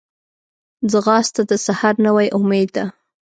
ځغاسته د سحر نوی امید ده